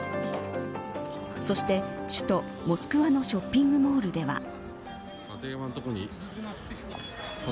そして、首都モスクワのショッピングモールでは。